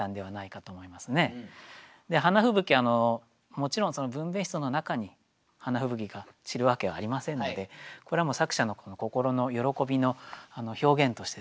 もちろん分娩室の中に花吹雪が散るわけはありませんのでこれは作者の心の喜びの表現としてですね